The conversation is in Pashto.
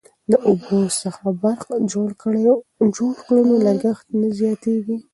که اوبو څخه برق جوړ کړو نو لګښت نه زیاتیږي.